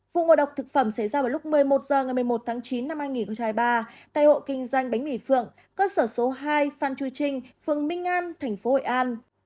vụ ngộ độc thực phẩm xảy ra vào lúc một mươi một h ngày một mươi một tháng chín năm hai nghìn hai mươi ba tại hộ kinh doanh bánh mì phượng cơ sở số hai phan chu trinh phường minh an tp hội an